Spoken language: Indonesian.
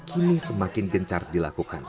kini semakin gencar dilakukan